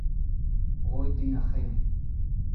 Roit din ar c'hreion.